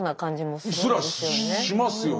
すらしますよね。